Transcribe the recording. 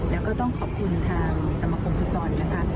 แล้วก็ต้องขอบคุณทางสมคมฟุตบอลนะคะ